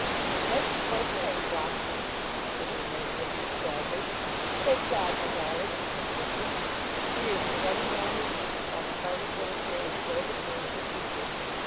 'My head's quite right, Wapsie,' the little man whispered, sadly. 'Thank God, my darling!' said the vicar. The tears were running down his cheeks while he parted little Fairy's golden hair with his fingers.